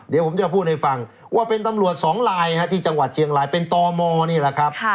เดี๋ยวผมจะพูดให้ฟังว่าเป็นตำรวจสองลายที่จังหวัดเชียงรายเป็นตมนี่แหละครับ